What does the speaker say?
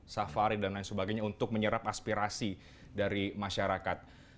safari dan lain sebagainya untuk menyerap aspirasi dari masyarakat